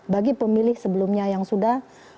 bagi pemilih sebelumnya yang sudah